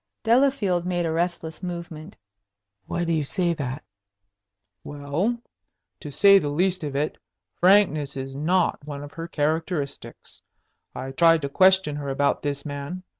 Delafield made a restless movement. "Why do you say that?" "Well, to say the least of it, frankness is not one of her characteristics. I tried to question her about this man.